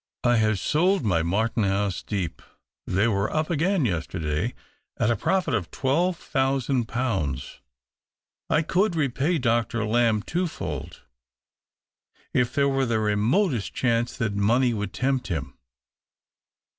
I have sold my Martenhuis Deep — they were up again yesterday — at a profit of twelve thousand pounds. I could repay Dr. Lamb twofold, if there were the remotest chance that money would tempt him."